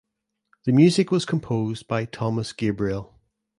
The music was composed by Thomas Gabriel.